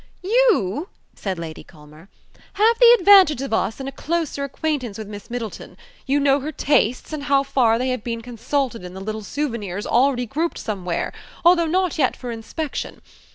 "You," said Lady Culmer, "have the advantage of us in a closer acquaintance with Miss Middleton. You know her tastes, and how far they have been consulted in the little souvenirs already grouped somewhere, although not yet for inspection.